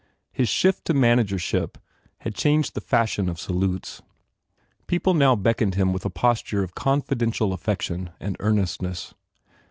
His shift to managership had changed the fashion of salutes. People now beckoned him with a posture of con fidential affection and earnestness.